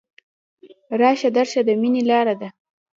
راشه درشه د ميني لاره ده